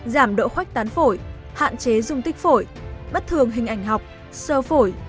giảm độ khoách tán phổi hạn chế dùng tích phổi bất thường hình ảnh học sơ phổi